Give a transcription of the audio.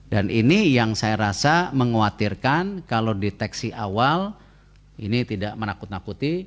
dan ini yang saya rasa mengkhawatirkan kalau di teksi awal ini tidak menakut nakuti